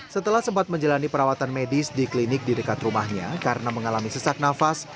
setelah sempat menjalani perawatan medis di klinik di dekat rumahnya karena mengalami sesak nafas